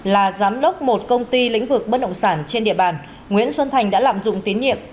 là giám đốc một công ty lĩnh vực bất động sản trên địa bàn nguyễn xuân thành đã lạm dụng tín nhiệm